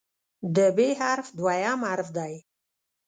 د "ب" حرف دوهم حرف دی.